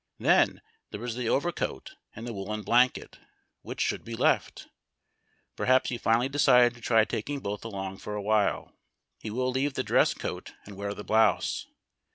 Then, there was the overcoat and the woollen blanket which should be left? Perhaps he finally decided to try taking both along for a while. He will leave the dress coat and wear the blouse.